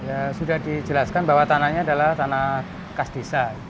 ya sudah dijelaskan bahwa tanahnya adalah tanah khas desa